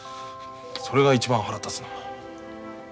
それが一番腹立つな。